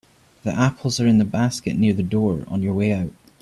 The apples are in the basket near the door on your way out.